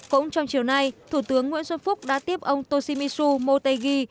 cũng trong chiều nay thủ tướng nguyễn xuân phúc đã tiếp ông toshimisu motegi